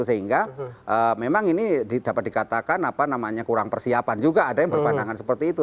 sehingga memang ini dapat dikatakan apa namanya kurang persiapan juga ada yang berpandangan seperti itu